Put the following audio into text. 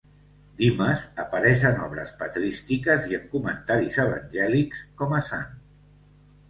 Dimes apareix en obres patrístiques i en comentaris evangèlics com a sant.